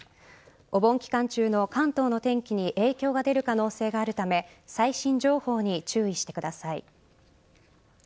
お盆期間中の関東の天気に影響が出る可能性があるため最新情報に注意してください。